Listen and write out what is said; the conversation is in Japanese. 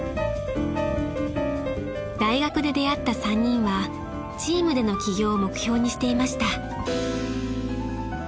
［大学で出会った３人はチームでの起業を目標にしていました］